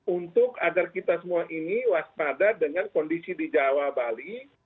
untuk agar kita semua ini waspada dengan kondisi di jawa bali